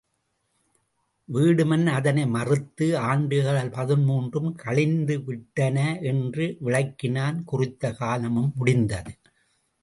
வீடுமன் அதனை மறுத்து ஆண்டுகள் பதின்மூன்றும் கழிந்துவிட்டன என்று விளக்கினான் குறித்த காலமும் முடிந்தது.